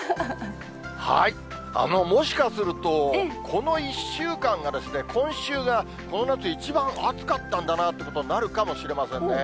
もしかすると、この１週間が、今週が、この夏一番暑かったんだなということになるかもしれませんね。